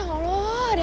aduh ya allah